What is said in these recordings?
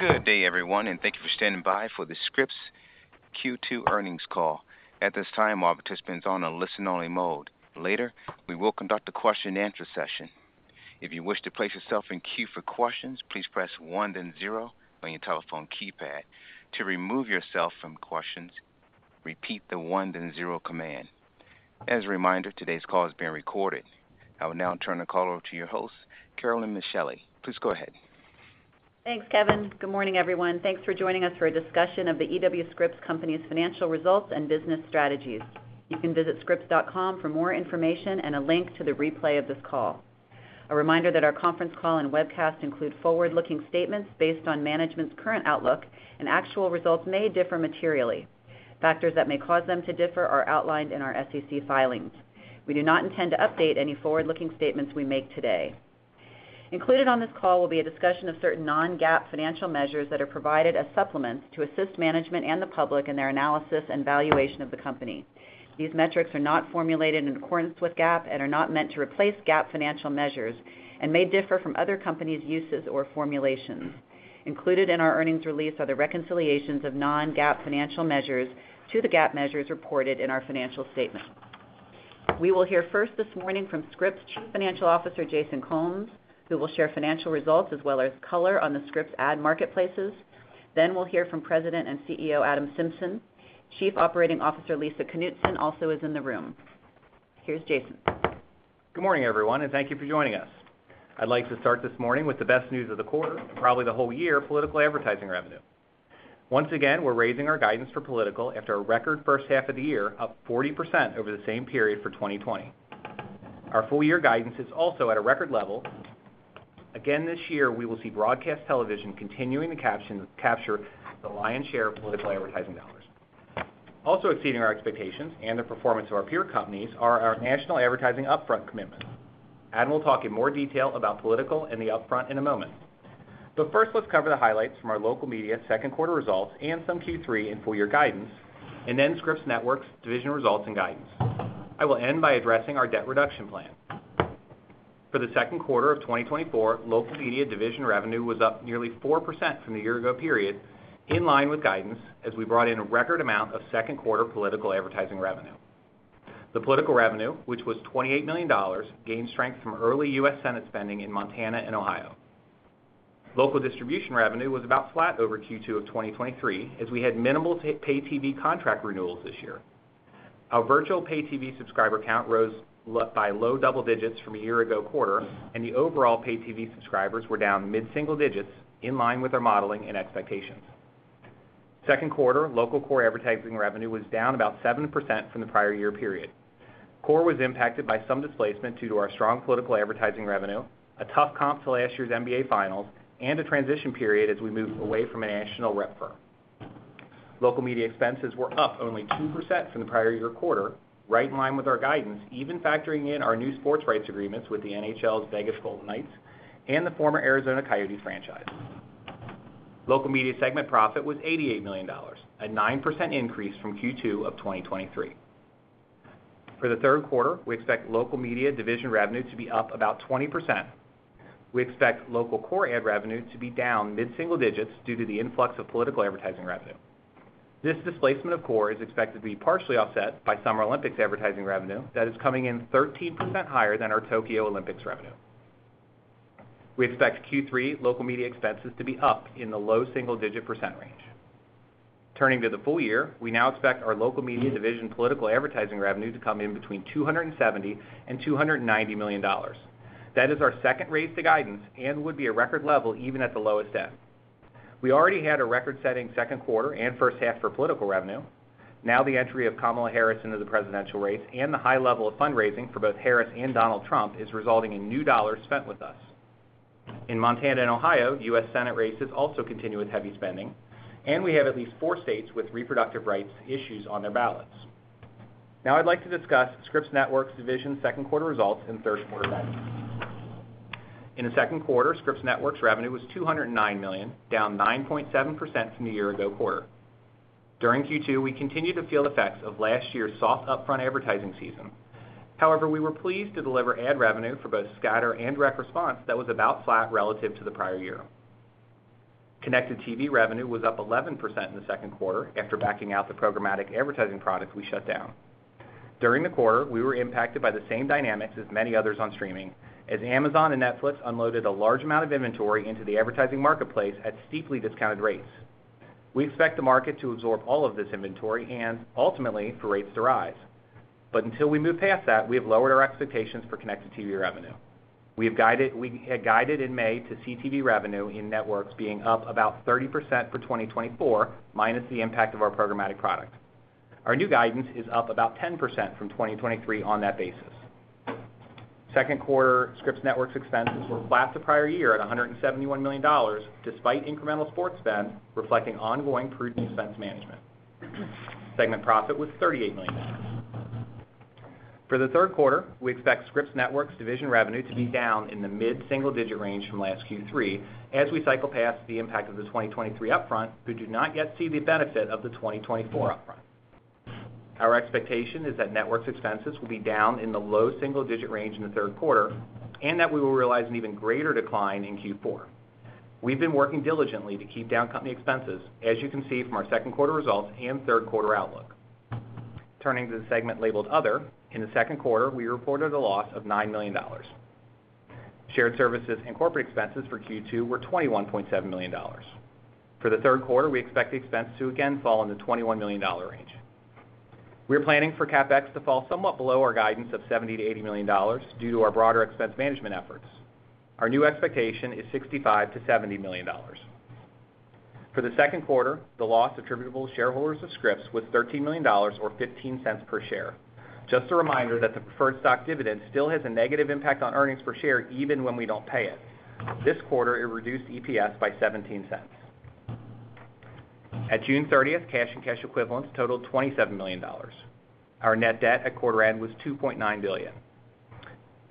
Good day, everyone, and thank you for standing by for the Scripps Q2 earnings call. At this time, all participants on a listen-only mode. Later, we will conduct a question-and-answer session. If you wish to place yourself in queue for questions, please press one then zero on your telephone keypad. To remove yourself from questions, repeat the one then zero command. As a reminder, today's call is being recorded. I will now turn the call over to your host, Carolyn Micheli. Please go ahead. Thanks, Kevin. Good morning, everyone. Thanks for joining us for a discussion of the E.W. Scripps Company's financial results and business strategies. You can visit scripps.com for more information and a link to the replay of this call. A reminder that our conference call and webcast include forward-looking statements based on management's current outlook and actual results may differ materially. Factors that may cause them to differ are outlined in our SEC filings. We do not intend to update any forward-looking statements we make today. Included on this call will be a discussion of certain non-GAAP financial measures that are provided as supplements to assist management and the public in their analysis and valuation of the company. These metrics are not formulated in accordance with GAAP and are not meant to replace GAAP financial measures and may differ from other companies' uses or formulations. Included in our earnings release are the reconciliations of non-GAAP financial measures to the GAAP measures reported in our financial statement. We will hear first this morning from Scripps' Chief Financial Officer, Jason Combs, who will share financial results as well as color on the Scripps ad marketplaces. Then we'll hear from President and CEO, Adam Symson. Chief Operating Officer, Lisa Knutson, also is in the room. Here's Jason. Good morning, everyone, and thank you for joining us. I'd like to start this morning with the best news of the quarter, and probably the whole year, political advertising revenue. Once again, we're raising our guidance for political after a record first half of the year, up 40% over the same period for 2020. Our full year guidance is also at a record level. Again, this year, we will see broadcast television continuing to capture the lion's share of political advertising dollars. Also exceeding our expectations and the performance of our peer companies are our national advertising upfront commitments. Adam will talk in more detail about political and the upfront in a moment. But first, let's cover the highlights from our Local Media second quarter results and some Q3 and full year guidance, and then Scripps Networks division results and guidance. I will end by addressing our debt reduction plan. For the second quarter of 2024, Local Media division revenue was up nearly 4% from the year-ago period, in line with guidance, as we brought in a record amount of second quarter political advertising revenue. The political revenue, which was $28 million, gained strength from early U.S. Senate spending in Montana and Ohio. Local distribution revenue was about flat over Q2 of 2023, as we had minimal pay TV contract renewals this year. Our virtual pay TV subscriber count rose by low double digits from a year-ago quarter, and the overall pay TV subscribers were down mid-single digits, in line with our modeling and expectations. Second quarter, local core advertising revenue was down about 7% from the prior year period. Core was impacted by some displacement due to our strong political advertising revenue, a tough comp to last year's NBA Finals, and a transition period as we moved away from a national rep firm. Local media expenses were up only 2% from the prior year quarter, right in line with our guidance, even factoring in our new sports rights agreements with the NHL's Vegas Golden Knights and the former Arizona Coyotes franchise. Local media segment profit was $88 million, a 9% increase from Q2 of 2023. For the third quarter, we expect local media division revenue to be up about 20%. We expect local core ad revenue to be down mid-single digits due to the influx of political advertising revenue. This displacement of core is expected to be partially offset by Summer Olympics advertising revenue that is coming in 13% higher than our Tokyo Olympics revenue. We expect Q3 local media expenses to be up in the low single-digit percent range. Turning to the full year, we now expect our local media division political advertising revenue to come in between $270 million and $290 million. That is our second raise to guidance and would be a record level even at the lowest end. We already had a record-setting second quarter and first half for political revenue. Now, the entry of Kamala Harris into the presidential race and the high level of fundraising for both Harris and Donald Trump is resulting in new dollars spent with us. In Montana and Ohio, U.S. Senate races also continue with heavy spending, and we have at least four states with reproductive rights issues on their ballots. Now, I'd like to discuss Scripps Networks division second quarter results and third quarter events. In the second quarter, Scripps Networks revenue was $209 million, down 9.7% from the year-ago quarter. During Q2, we continued to feel the effects of last year's soft upfront advertising season. However, we were pleased to deliver ad revenue for both scatter and direct response that was about flat relative to the prior year. Connected TV revenue was up 11% in the second quarter after backing out the programmatic advertising products we shut down. During the quarter, we were impacted by the same dynamics as many others on streaming, as Amazon and Netflix unloaded a large amount of inventory into the advertising marketplace at steeply discounted rates. We expect the market to absorb all of this inventory and ultimately for rates to rise. But until we move past that, we have lowered our expectations for Connected TV revenue. We have guided—we had guided in May to CTV revenue in networks being up about 30% for 2024, minus the impact of our programmatic product. Our new guidance is up about 10% from 2023 on that basis. Second quarter, Scripps Networks expenses were flat the prior year at $171 million, despite incremental sports spend, reflecting ongoing prudent expense management. Segment profit was $38 million. For the third quarter, we expect Scripps Networks division revenue to be down in the mid-single-digit range from last Q3 as we cycle past the impact of the 2023 upfront, but do not yet see the benefit of the 2024 upfront. Our expectation is that networks expenses will be down in the low single-digit range in the third quarter, and that we will realize an even greater decline in Q4. We've been working diligently to keep down company expenses, as you can see from our second quarter results and third quarter outlook. Turning to the segment labeled Other, in the second quarter, we reported a loss of $9 million. Shared services and corporate expenses for Q2 were $21.7 million. For the third quarter, we expect the expense to again fall in the $21 million range. We're planning for CapEx to fall somewhat below our guidance of $70 million-$80 million, due to our broader expense management efforts. Our new expectation is $65 million-$70 million. For the second quarter, the loss attributable to shareholders of Scripps was $13 million or $0.15 per share. Just a reminder that the preferred stock dividend still has a negative impact on earnings per share, even when we don't pay it. This quarter, it reduced EPS by $0.17. At June 30th, cash and cash equivalents totaled $27 million. Our net debt at quarter end was $2.9 billion.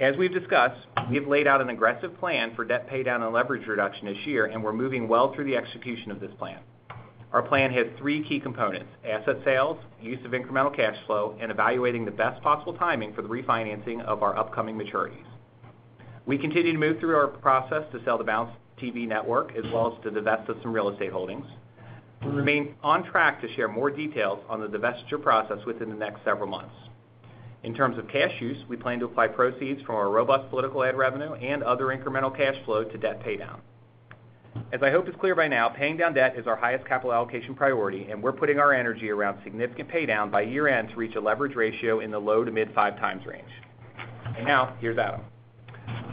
As we've discussed, we have laid out an aggressive plan for debt paydown and leverage reduction this year, and we're moving well through the execution of this plan. Our plan has three key components: asset sales, use of incremental cash flow, and evaluating the best possible timing for the refinancing of our upcoming maturities. We continue to move through our process to sell the Bounce TV network, as well as to divest of some real estate holdings. We remain on track to share more details on the divestiture process within the next several months. In terms of cash use, we plan to apply proceeds from our robust political ad revenue and other incremental cash flow to debt paydown. As I hope it's clear by now, paying down debt is our highest capital allocation priority, and we're putting our energy around significant paydown by year-end to reach a leverage ratio in the low- to mid-5x range. Now, here's Adam.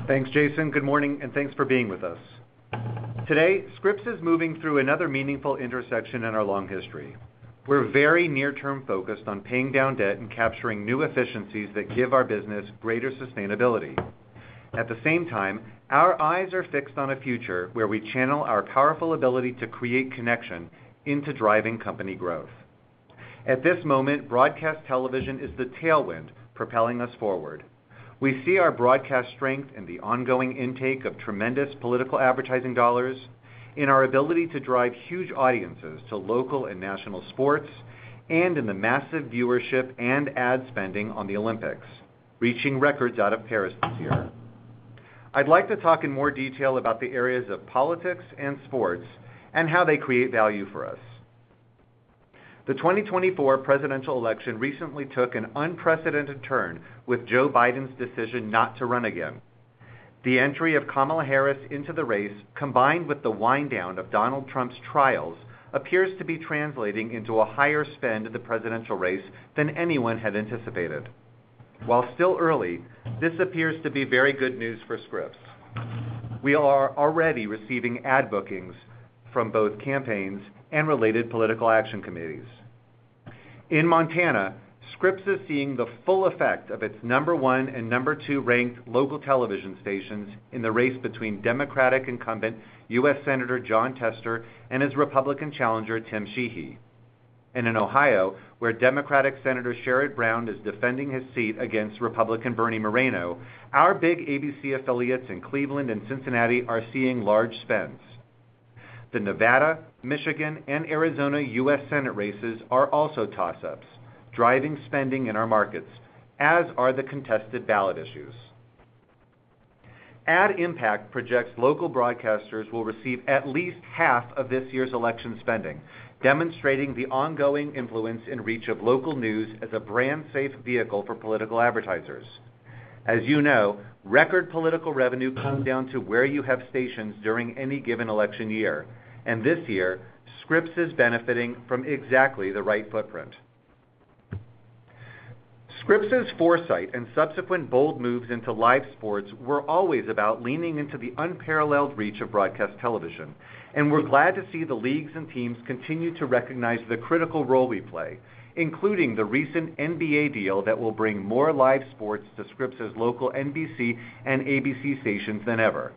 Thanks, Jason. Good morning, and thanks for being with us. Today, Scripps is moving through another meaningful intersection in our long history. We're very near-term focused on paying down debt and capturing new efficiencies that give our business greater sustainability. At the same time, our eyes are fixed on a future where we channel our powerful ability to create connection into driving company growth. At this moment, broadcast television is the tailwind propelling us forward. We see our broadcast strength and the ongoing intake of tremendous political advertising dollars in our ability to drive huge audiences to local and national sports, and in the massive viewership and ad spending on the Olympics, reaching records out of Paris this year. I'd like to talk in more detail about the areas of politics and sports and how they create value for us. The 2024 presidential election recently took an unprecedented turn with Joe Biden's decision not to run again. The entry of Kamala Harris into the race, combined with the wind down of Donald Trump's trials, appears to be translating into a higher spend of the presidential race than anyone had anticipated. While still early, this appears to be very good news for Scripps. We are already receiving ad bookings from both campaigns and related political action committees. In Montana, Scripps is seeing the full effect of its number 1 and number 2-ranked local television stations in the race between Democratic incumbent U.S. Senator Jon Tester and his Republican challenger, Tim Sheehy. In Ohio, where Democratic Senator Sherrod Brown is defending his seat against Republican Bernie Moreno, our big ABC affiliates in Cleveland and Cincinnati are seeing large spends. The Nevada, Michigan, and Arizona U.S. Senate races are also toss-ups, driving spending in our markets, as are the contested ballot issues. AdImpact projects local broadcasters will receive at least half of this year's election spending, demonstrating the ongoing influence and reach of local news as a brand-safe vehicle for political advertisers. As you know, record political revenue comes down to where you have stations during any given election year, and this year, Scripps is benefiting from exactly the right footprint. Scripps's foresight and subsequent bold moves into live sports were always about leaning into the unparalleled reach of broadcast television, and we're glad to see the leagues and teams continue to recognize the critical role we play, including the recent NBA deal that will bring more live sports to Scripps's local NBC and ABC stations than ever.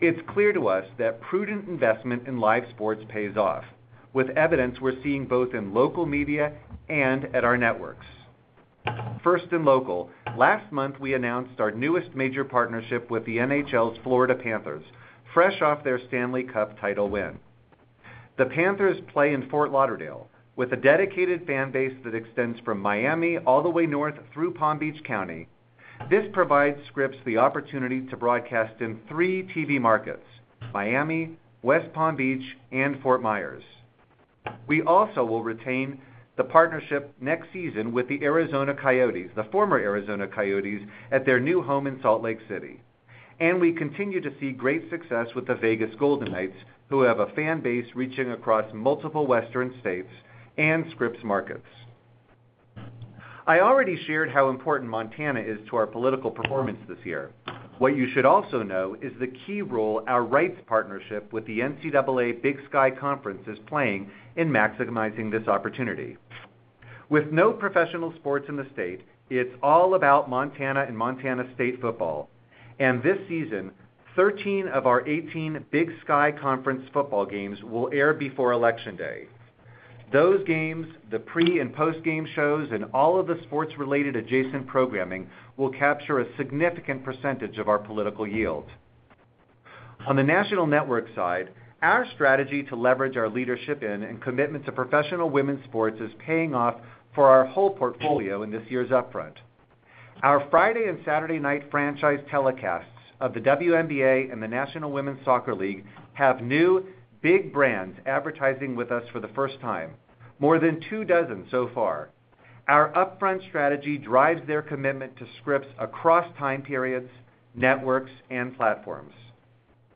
It's clear to us that prudent investment in live sports pays off, with evidence we're seeing both in local media and at our networks. First in local, last month, we announced our newest major partnership with the NHL's Florida Panthers, fresh off their Stanley Cup title win. The Panthers play in Fort Lauderdale with a dedicated fan base that extends from Miami all the way north through Palm Beach County. This provides Scripps the opportunity to broadcast in three TV markets: Miami, West Palm Beach, and Fort Myers. We also will retain the partnership next season with the Arizona Coyotes, the former Arizona Coyotes, at their new home in Salt Lake City. And we continue to see great success with the Vegas Golden Knights, who have a fan base reaching across multiple Western states and Scripps markets. I already shared how important Montana is to our political performance this year. What you should also know is the key role our rights partnership with the NCAA Big Sky Conference is playing in maximizing this opportunity. With no professional sports in the state, it's all about Montana and Montana State football, and this season, 13 of our 18 Big Sky Conference football games will air before Election Day. Those games, the pre- and post-game shows, and all of the sports-related adjacent programming will capture a significant percentage of our political yield. On the national network side, our strategy to leverage our leadership in and commitment to professional women's sports is paying off for our whole portfolio in this year's Upfront. Our Friday and Saturday night franchise telecasts of the WNBA and the National Women's Soccer League have new big brands advertising with us for the first time, more than two dozen so far. Our upfront strategy drives their commitment to Scripps across time periods, networks, and platforms.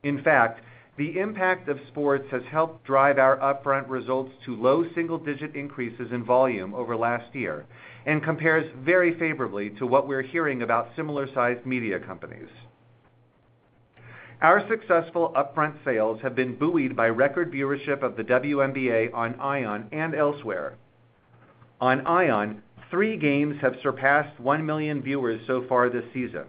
In fact, the impact of sports has helped drive our upfront results to low single-digit increases in volume over last year and compares very favorably to what we're hearing about similar-sized media companies. Our successful upfront sales have been buoyed by record viewership of the WNBA on ION and elsewhere. On ION, three games have surpassed 1 million viewers so far this season.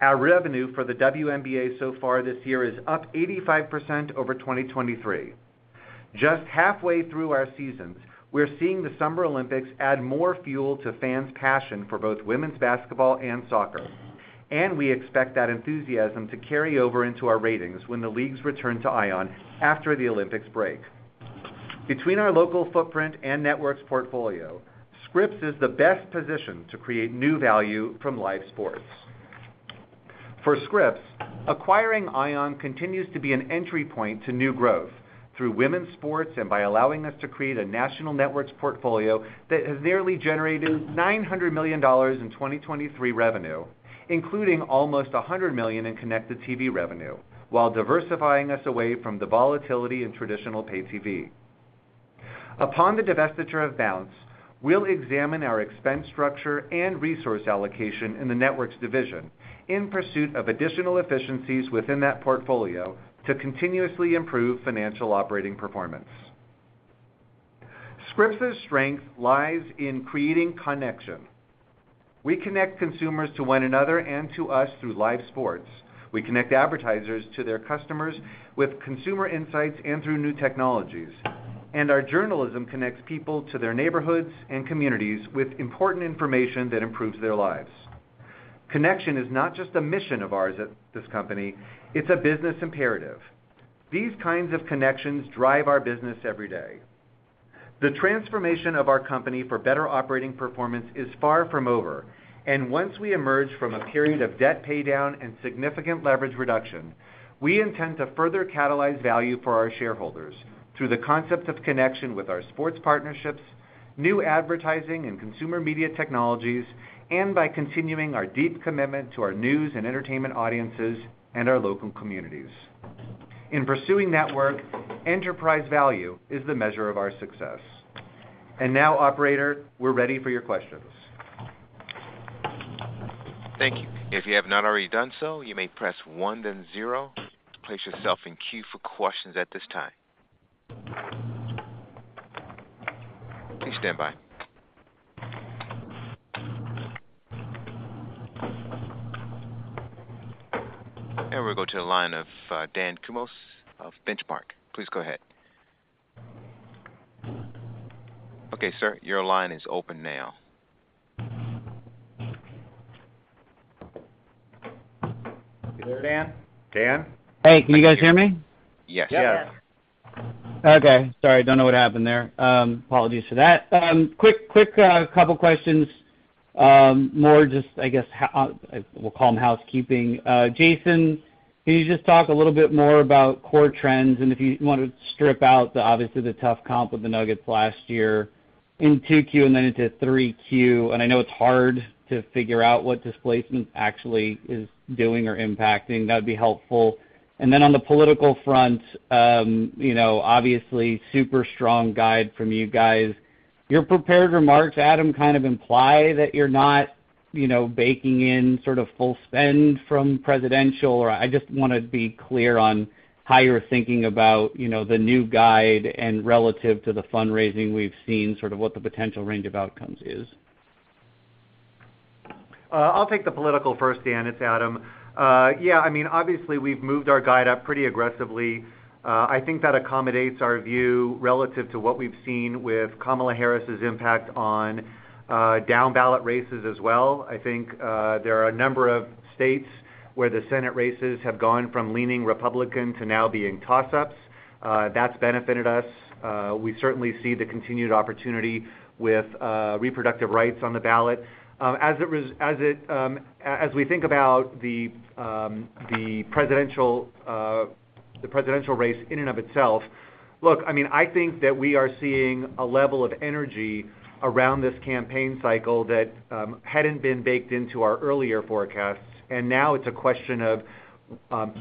Our revenue for the WNBA so far this year is up 85% over 2023. Just halfway through our seasons, we're seeing the Summer Olympics add more fuel to fans' passion for both women's basketball and soccer, and we expect that enthusiasm to carry over into our ratings when the leagues return to ION after the Olympics break. Between our local footprint and networks portfolio, Scripps is the best position to create new value from live sports. For Scripps, acquiring ION continues to be an entry point to new growth through women's sports and by allowing us to create a national networks portfolio that has nearly generated $900 million in 2023 revenue, including almost $100 million in Connected TV revenue, while diversifying us away from the volatility in traditional pay TV. Upon the divestiture of Bounce, we'll examine our expense structure and resource allocation in the networks division in pursuit of additional efficiencies within that portfolio to continuously improve financial operating performance. Scripps's strength lies in creating connection. We connect consumers to one another and to us through live sports. We connect advertisers to their customers with consumer insights and through new technologies, and our journalism connects people to their neighborhoods and communities with important information that improves their lives. Connection is not just a mission of ours at this company, it's a business imperative. These kinds of connections drive our business every day. The transformation of our company for better operating performance is far from over, and once we emerge from a period of debt paydown and significant leverage reduction, we intend to further catalyze value for our shareholders through the concept of connection with our sports partnerships, new advertising and consumer media technologies, and by continuing our deep commitment to our news and entertainment audiences and our local communities. In pursuing that work, enterprise value is the measure of our success. Now, operator, we're ready for your questions. Thank you. If you have not already done so, you may press one, then zero to place yourself in queue for questions at this time. Please stand by. We'll go to the line of Dan Kurnos of Benchmark. Please go ahead. Okay, sir, your line is open now. You there, Dan? Dan? Hey, can you guys hear me? Yes. Yes. Okay, sorry, don't know what happened there. Apologies for that. Quick, quick couple questions, more just, I guess, how we'll call them housekeeping. Jason, can you just talk a little bit more about core trends? And if you want to strip out the, obviously, the tough comp with the Nuggets last year in 2Q and then into 3Q. And I know it's hard to figure out what displacement actually is doing or impacting. That'd be helpful. And then on the political front, you know, obviously, super strong guide from you guys. Your prepared remarks, Adam, kind of imply that you're not, you know, baking in sort of full spend from presidential, or I just wanna be clear on how you're thinking about, you know, the new guide and relative to the fundraising we've seen, sort of what the potential range of outcomes is. I'll take the political first, Dan. It's Adam. Yeah, I mean, obviously, we've moved our guide up pretty aggressively. I think that accommodates our view relative to what we've seen with Kamala Harris's impact on down-ballot races as well. I think there are a number of states where the Senate races have gone from leaning Republican to now being toss-ups. That's benefited us. We certainly see the continued opportunity with reproductive rights on the ballot. As we think about the presidential race in and of itself... Look, I mean, I think that we are seeing a level of energy around this campaign cycle that hadn't been baked into our earlier forecasts, and now it's a question of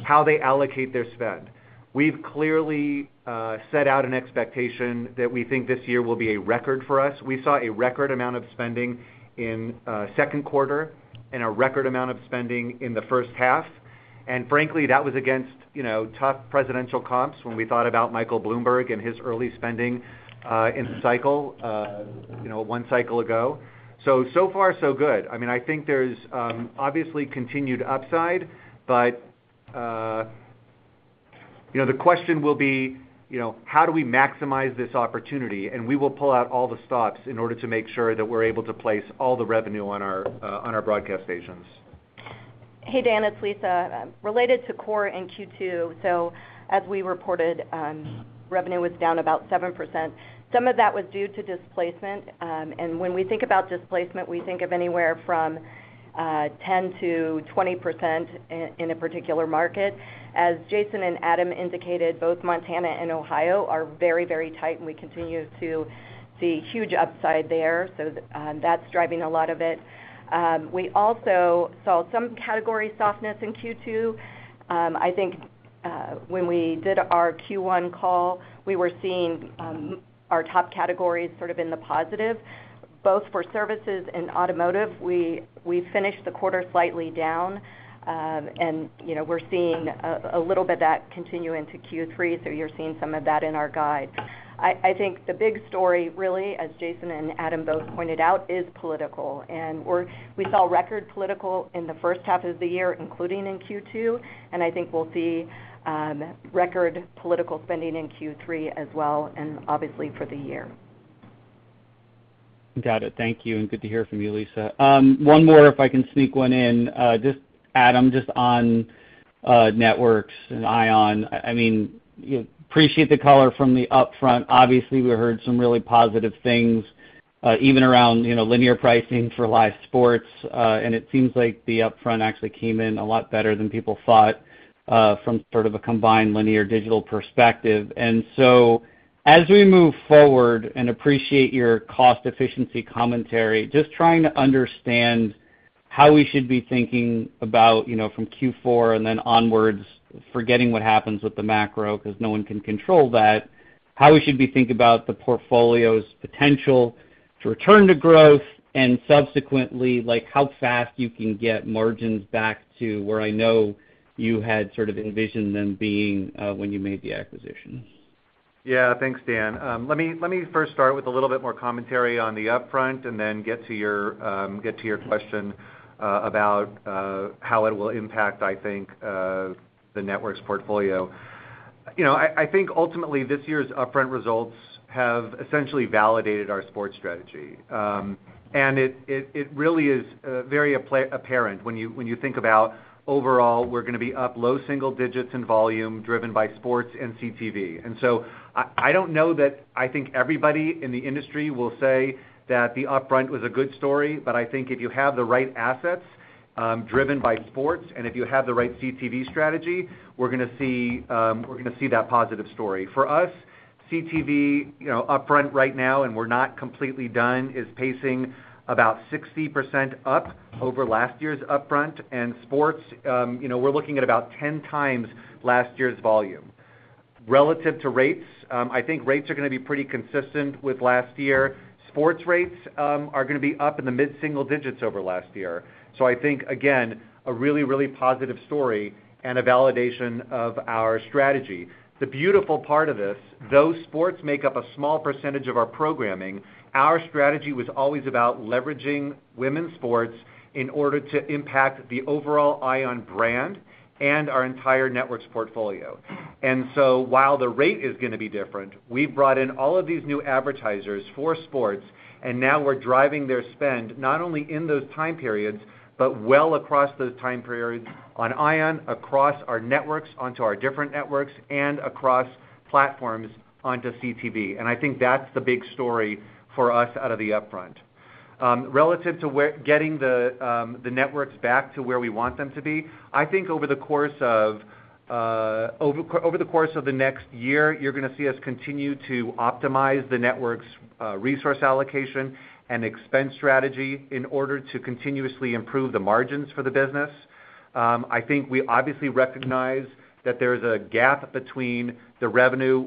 how they allocate their spend. We've clearly set out an expectation that we think this year will be a record for us. We saw a record amount of spending in second quarter and a record amount of spending in the first half, and frankly, that was against, you know, tough presidential comps when we thought about Michael Bloomberg and his early spending in the cycle, you know, one cycle ago. So, so far, so good. I mean, I think there's obviously continued upside, but... You know, the question will be, you know, how do we maximize this opportunity? And we will pull out all the stops in order to make sure that we're able to place all the revenue on our on our broadcast stations. Hey, Dan, it's Lisa. Related to core in Q2, so as we reported, revenue was down about 7%. Some of that was due to displacement, and when we think about displacement, we think of anywhere from 10% to 20% in a particular market. As Jason and Adam indicated, both Montana and Ohio are very, very tight, and we continue to see huge upside there, so that's driving a lot of it. We also saw some category softness in Q2. I think, when we did our Q1 call, we were seeing our top categories sort of in the positive, both for services and automotive. We finished the quarter slightly down, and you know, you're seeing some of that continue into Q3, so you're seeing some of that in our guide. I think the big story, really, as Jason and Adam both pointed out, is political. And we saw record political in the first half of the year, including in Q2, and I think we'll see record political spending in Q3 as well and obviously for the year. Got it. Thank you, and good to hear from you, Lisa. One more, if I can sneak one in. Just Adam, just on, networks and ION, I mean, appreciate the color from the upfront. Obviously, we heard some really positive things, even around, you know, linear pricing for live sports, and it seems like the upfront actually came in a lot better than people thought, from sort of a combined linear digital perspective. And so as we move forward and appreciate your cost efficiency commentary, just trying to understand how we should be thinking about, you know, from Q4 and then onwards, forgetting what happens with the macro, 'cause no one can control that, how we should be thinking about the portfolio's potential to return to growth and subsequently, like, how fast you can get margins back to where I know you had sort of envisioned them being, when you made the acquisition? Yeah. Thanks, Dan. Let me first start with a little bit more commentary on the Upfront and then get to your question about how it will impact, I think, the networks portfolio. You know, I think ultimately, this year's Upfront results have essentially validated our sports strategy. And it really is very apparent when you think about overall, we're gonna be up low single digits in volume, driven by sports and CTV. And so I don't know that I think everybody in the industry will say that the Upfront was a good story, but I think if you have the right assets, driven by sports, and if you have the right CTV strategy, we're gonna see that positive story. For us, CTV, you know, Upfront right now, and we're not completely done, is pacing about 60% up over last year's Upfront. And sports, you know, we're looking at about 10x last year's volume. Relative to rates, I think rates are gonna be pretty consistent with last year. Sports rates, are gonna be up in the mid-single digits over last year. So I think, again, a really, really positive story and a validation of our strategy. The beautiful part of this, those sports make up a small percentage of our programming. Our strategy was always about leveraging women's sports in order to impact the overall ION brand and our entire network's portfolio. So while the rate is gonna be different, we've brought in all of these new advertisers for sports, and now we're driving their spend, not only in those time periods, but well across those time periods on ION, across our networks, onto our different networks, and across platforms onto CTV. And I think that's the big story for us out of the Upfront. Relative to where getting the networks back to where we want them to be, I think over the course of the next year, you're gonna see us continue to optimize the network's resource allocation and expense strategy in order to continuously improve the margins for the business. I think we obviously recognize that there's a gap between the revenue,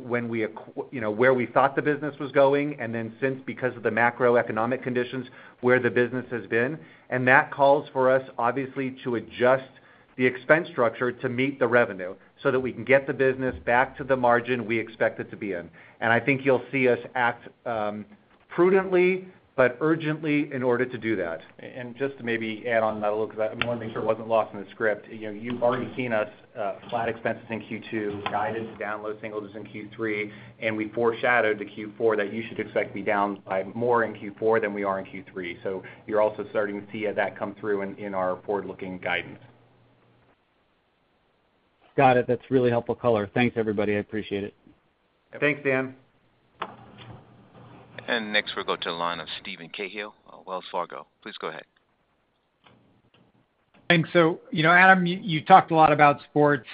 you know, where we thought the business was going, and then since, because of the macroeconomic conditions, where the business has been. That calls for us, obviously, to adjust the expense structure to meet the revenue, so that we can get the business back to the margin we expect it to be in. I think you'll see us act prudently, but urgently in order to do that. Just to maybe add on that a little, because I want to make sure it wasn't lost in the script. You know, you've already seen us flat expenses in Q2, guided down low singles in Q3, and we foreshadowed to Q4 that you should expect to be down by more in Q4 than we are in Q3. So you're also starting to see that come through in our forward-looking guidance. Got it. That's really helpful color. Thanks, everybody. I appreciate it. Thanks, Dan. Next, we'll go to the line of Steven Cahall, Wells Fargo. Please go ahead. Thanks. So, you know, Adam, you talked a lot about sports.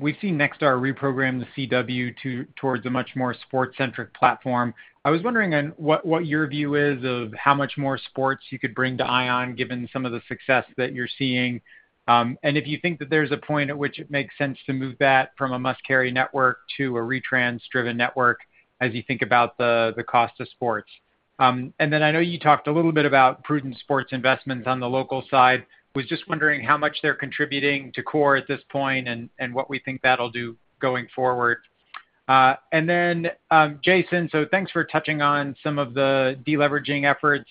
We've seen Nexstar reprogram the CW towards a much more sports-centric platform. I was wondering what your view is of how much more sports you could bring to ION, given some of the success that you're seeing? And if you think that there's a point at which it makes sense to move that from a must-carry network to a retrans-driven network as you think about the cost of sports. And then I know you talked a little bit about prudent sports investments on the local side. Was just wondering how much they're contributing to core at this point and what we think that'll do going forward? And then, Jason, so thanks for touching on some of the deleveraging efforts.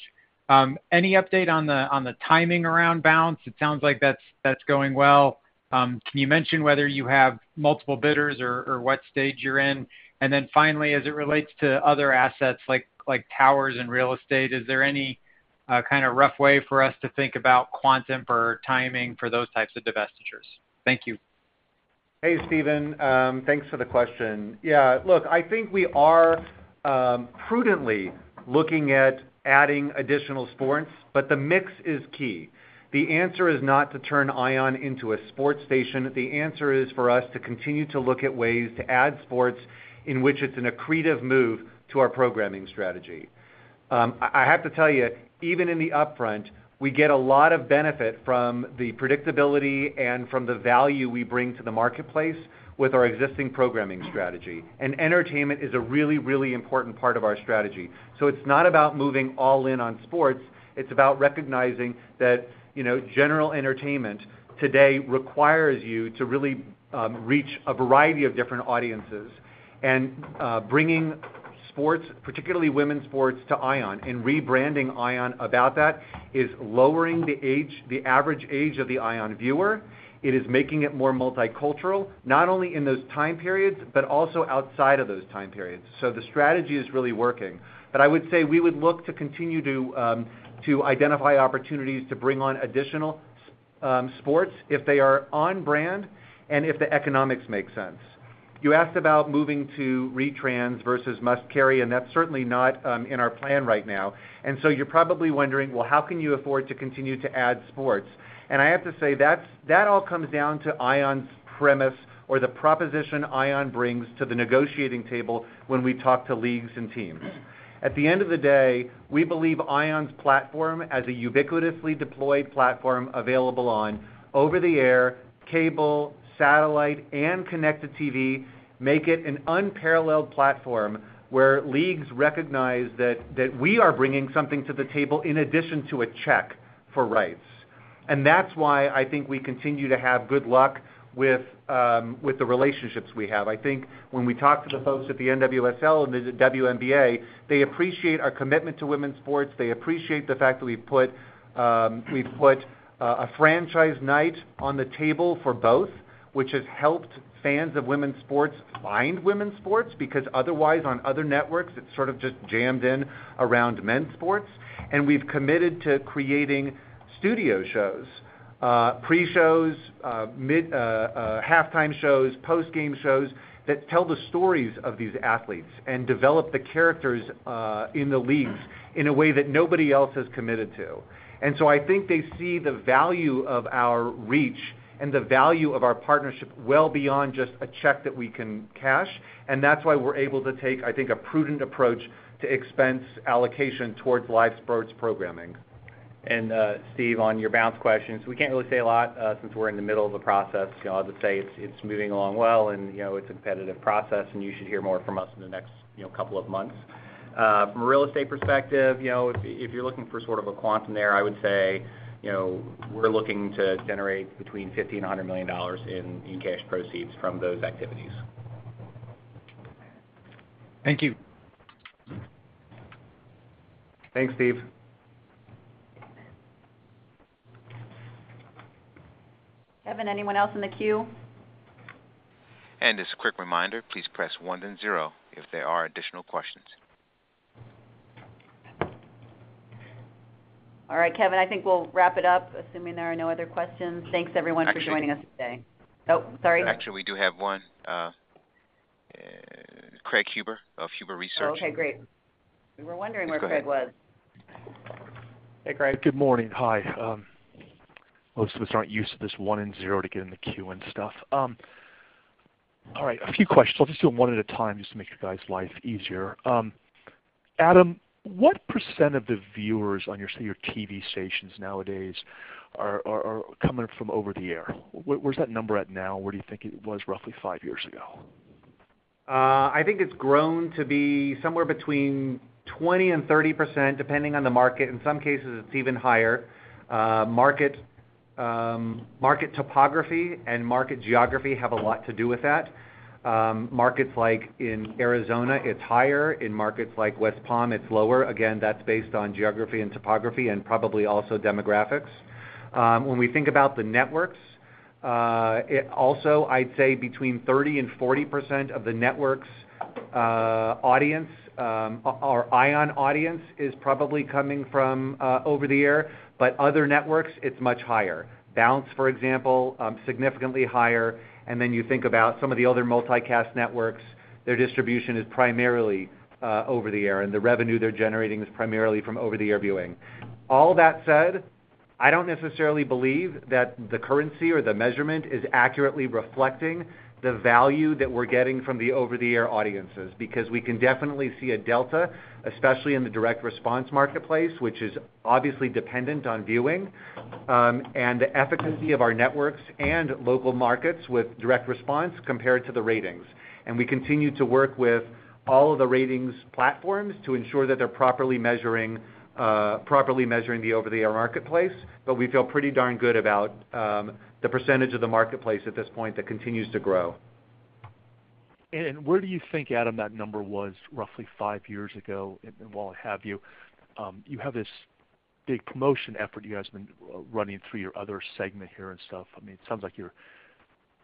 Any update on the timing around Bounce? It sounds like that's going well. Can you mention whether you have multiple bidders or what stage you're in? And then finally, as it relates to other assets like towers and real estate, is there any kind of rough way for us to think about quantum for timing for those types of divestitures? Thank you. Hey, Steven. Thanks for the question. Yeah, look, I think we are prudently looking at adding additional sports, but the mix is key. The answer is not to turn ION into a sports station. The answer is for us to continue to look at ways to add sports in which it's an accretive move to our programming strategy. I have to tell you, even in the Upfront, we get a lot of benefit from the predictability and from the value we bring to the marketplace with our existing programming strategy. And entertainment is a really, really important part of our strategy. So it's not about moving all in on sports, it's about recognizing that, you know, general entertainment today requires you to really reach a variety of different audiences. Bringing sports, particularly women's sports, to ION and rebranding ION about that, is lowering the age, the average age of the ION viewer. It is making it more multicultural, not only in those time periods, but also outside of those time periods. So the strategy is really working. But I would say we would look to continue to identify opportunities to bring on additional sports if they are on brand and if the economics make sense. You asked about moving to retrans versus must-carry, and that's certainly not in our plan right now. So you're probably wondering, Well, how can you afford to continue to add sports? I have to say that's that all comes down to ION's premise or the proposition ION brings to the negotiating table when we talk to leagues and teams. At the end of the day, we believe ION's platform, as a ubiquitously deployed platform available on over-the-air, cable, satellite, and Connected TV, makes it an unparalleled platform, where leagues recognize that we are bringing something to the table in addition to a check for rights. That's why I think we continue to have good luck with the relationships we have. I think when we talk to the folks at the NWSL and the WNBA, they appreciate our commitment to women's sports. They appreciate the fact that we've put a franchise night on the table for both, which has helped fans of women's sports find women's sports, because otherwise, on other networks, it's sort of just jammed in around men's sports. We've committed to creating studio shows, pre-shows, mid-halftime shows, post-game shows that tell the stories of these athletes and develop the characters in the leagues in a way that nobody else has committed to. So I think they see the value of our reach and the value of our partnership well beyond just a check that we can cash, and that's why we're able to take, I think, a prudent approach to expense allocation towards live sports programming. And, Steve, on your Bounce questions, we can't really say a lot, since we're in the middle of the process. You know, I'll just say it's moving along well, and, you know, it's a competitive process, and you should hear more from us in the next, you know, couple of months. From a real estate perspective, you know, if you're looking for sort of a quantum there, I would say, you know, we're looking to generate between $50 million and $100 million in cash proceeds from those activities. Thank you. Thanks, Steve. Kevin, anyone else in the queue? As a quick reminder, please press one then zero if there are additional questions. All right, Kevin, I think we'll wrap it up, assuming there are no other questions. Thanks, everyone, for joining us today. Oh, sorry. Actually, we do have one. Craig Huber of Huber Research. Oh, okay, great. We were wondering where Craig was. Go ahead. Hey, Craig. Good morning. Hi. Most of us aren't used to this one and zero to get in the queue and stuff. All right, a few questions. I'll just do them 1 at a time, just to make you guys' life easier. Adam, what percent of the viewers on your, say, your TV stations nowadays are coming from over-the-air? Where's that number at now, and where do you think it was roughly five years ago? I think it's grown to be somewhere between 20% and 30%, depending on the market. In some cases, it's even higher. Market topography and market geography have a lot to do with that. Markets like in Arizona, it's higher. In markets like West Palm, it's lower. Again, that's based on geography and topography and probably also demographics. When we think about the networks, it also, I'd say, between 30% and 40% of the networks audience or ION audience is probably coming from over-the-air, but other networks, it's much higher. Bounce, for example, significantly higher. And then you think about some of the other multicast networks, their distribution is primarily over-the-air, and the revenue they're generating is primarily from over-the-air viewing. All that said, I don't necessarily believe that the currency or the measurement is accurately reflecting the value that we're getting from the over-the-air audiences, because we can definitely see a delta, especially in the direct response marketplace, which is obviously dependent on viewing, and the efficacy of our networks and local markets with direct response compared to the ratings. And we continue to work with all of the ratings platforms to ensure that they're properly measuring the over-the-air marketplace, but we feel pretty darn good about the percentage of the marketplace at this point that continues to grow.… And where do you think, Adam, that number was roughly five years ago, and while I have you, you have this big promotion effort you guys been running through your other segment here and stuff. I mean, it sounds like you're--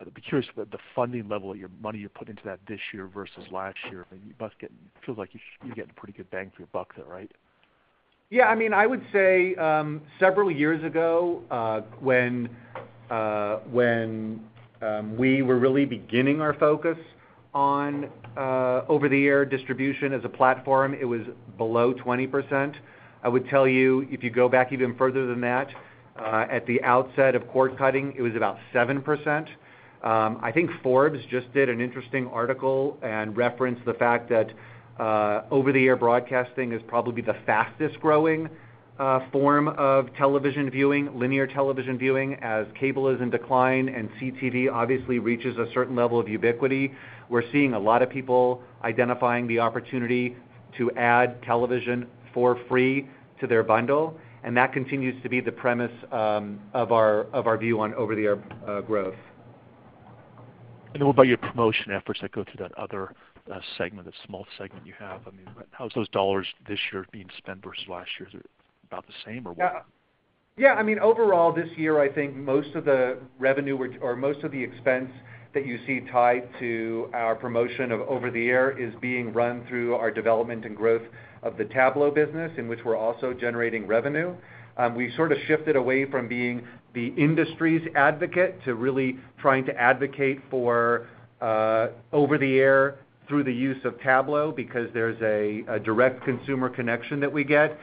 I'd be curious about the funding level of your money you put into that this year versus last year. I mean, you must get-- feels like you're getting pretty good bang for your buck there, right? Yeah, I mean, I would say several years ago, when we were really beginning our focus on over-the-air distribution as a platform, it was below 20%. I would tell you, if you go back even further than that, at the outset of cord cutting, it was about 7%. I think Forbes just did an interesting article and referenced the fact that over-the-air broadcasting is probably the fastest growing form of television viewing, linear television viewing, as cable is in decline and CTV obviously reaches a certain level of ubiquity. We're seeing a lot of people identifying the opportunity to add television for free to their bundle, and that continues to be the premise of our view on over-the-air growth. What about your promotion efforts that go through that other segment, that small segment you have? I mean, how's those dollars this year being spent versus last year? Is it about the same, or what? Yeah. Yeah, I mean, overall, this year, I think most of the revenue which... Or most of the expense that you see tied to our promotion of over-the-air is being run through our development and growth of the Tablo business, in which we're also generating revenue. We sort of shifted away from being the industry's advocate to really trying to advocate for over-the-air through the use of Tablo because there's a direct consumer connection that we get. And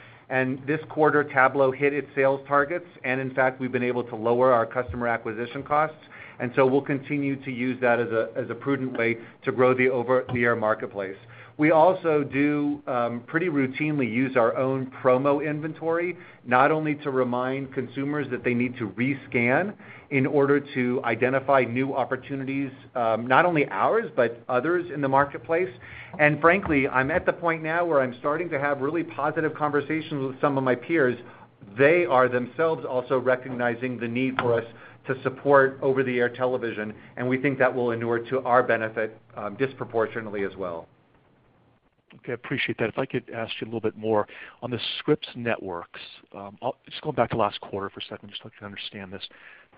this quarter, Tablo hit its sales targets, and in fact, we've been able to lower our customer acquisition costs, and so we'll continue to use that as a prudent way to grow the over-the-air marketplace. We also do pretty routinely use our own promo inventory, not only to remind consumers that they need to rescan in order to identify new opportunities, not only ours, but others in the marketplace. Frankly, I'm at the point now where I'm starting to have really positive conversations with some of my peers. They are themselves also recognizing the need for us to support over-the-air television, and we think that will inure to our benefit, disproportionately as well. Okay, appreciate that. If I could ask you a little bit more on the Scripps Networks. I'll just going back to last quarter for a second, just so I can understand this.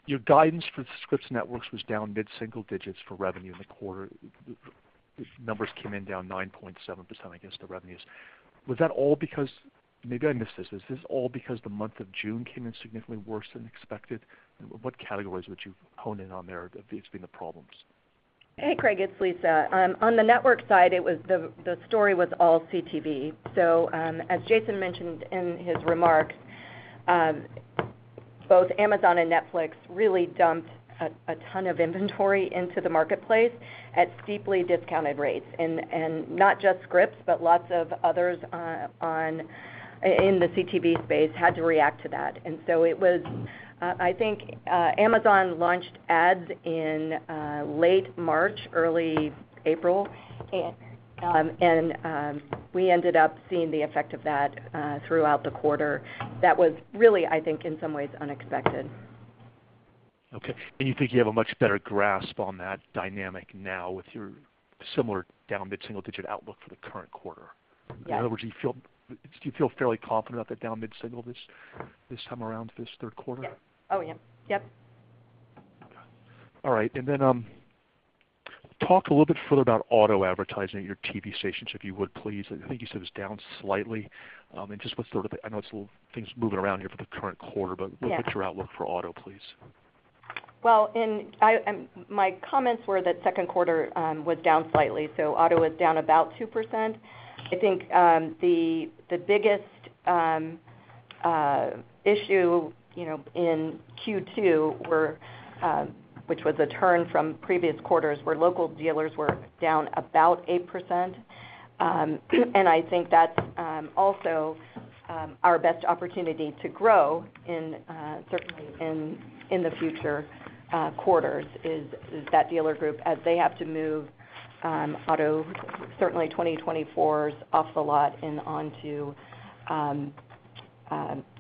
Your guidance for Scripps Networks was down mid-single digits for revenue in the quarter. The numbers came in down 9.7% against the revenues. Was that all because... Maybe I missed this. Is this all because the month of June came in significantly worse than expected? What categories would you hone in on there that these been the problems? Hey, Craig, it's Lisa. On the network side, it was. The story was all CTV. So, as Jason mentioned in his remarks, both Amazon and Netflix really dumped a ton of inventory into the marketplace at steeply discounted rates. And not just Scripps, but lots of others in the CTV space had to react to that. And so it was. I think Amazon launched ads in late March, early April, and we ended up seeing the effect of that throughout the quarter. That was really, I think, in some ways, unexpected. Okay. And you think you have a much better grasp on that dynamic now with your similar down mid-single-digit outlook for the current quarter? Yeah. In other words, do you feel fairly confident about the down mid-single this, this time around, this third quarter? Yes. Oh, yeah. Yep. Okay. All right, and then, talk a little bit further about auto advertising at your TV stations, if you would, please. I think you said it was down slightly. And just what's the... I know it's a little things moving around here for the current quarter- Yeah. But what's your outlook for auto, please? Well, in my comments were that second quarter was down slightly, so auto was down about 2%. I think the biggest issue, you know, in Q2 were, which was a turn from previous quarters, where local dealers were down about 8%. And I think that's also our best opportunity to grow in certainly in the future quarters is that dealer group, as they have to move auto certainly 2024s off the lot and onto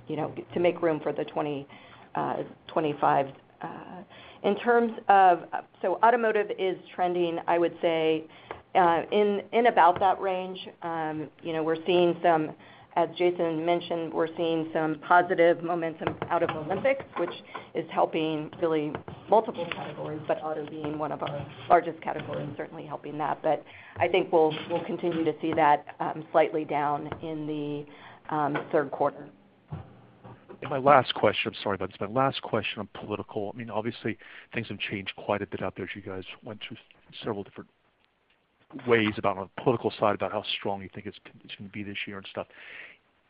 you know to make room for the 2025s. In terms of... So automotive is trending, I would say, in about that range. You know, we're seeing some, as Jason mentioned, we're seeing some positive momentum out of the Olympics, which is helping really multiple categories, but auto being one of our largest categories, certainly helping that. But I think we'll continue to see that, slightly down in the third quarter. And my last question, I'm sorry about this, my last question on political. I mean, obviously, things have changed quite a bit out there, as you guys went through several different ways about on the political side, about how strong you think it's, it's gonna be this year and stuff.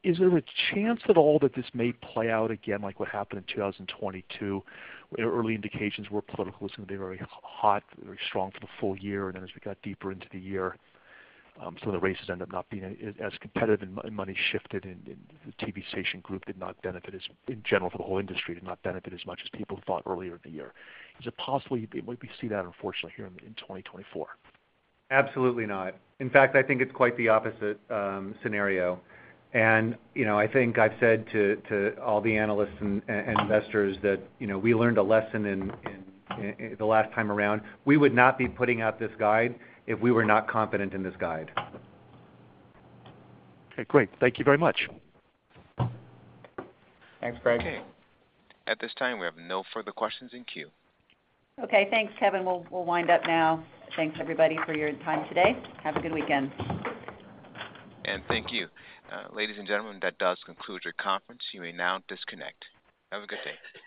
Is there a chance at all that this may play out again, like what happened in 2022, where early indications were political is gonna be very hot, very strong for the full year, and then as we got deeper into the year, some of the races ended up not being as, as competitive and, and money shifted, and, and the TV station group did not benefit as, in general for the whole industry, did not benefit as much as people thought earlier in the year. Is it possibly, might we see that unfortunately here in 2024? Absolutely not. In fact, I think it's quite the opposite, scenario. And, you know, I think I've said to all the analysts and investors that, you know, we learned a lesson in the last time around. We would not be putting out this guide if we were not confident in this guide. Okay, great. Thank you very much. Thanks, Craig. Okay, at this time, we have no further questions in queue. Okay, thanks, Kevin. We'll, we'll wind up now. Thanks, everybody, for your time today. Have a good weekend. Thank you. Ladies and gentlemen, that does conclude your conference. You may now disconnect. Have a good day.